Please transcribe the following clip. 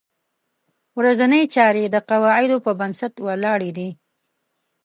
ورځنۍ چارې د قواعدو په بنسټ ولاړې دي.